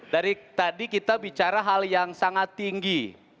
dari tadi kita bicara hal yang sangat tinggi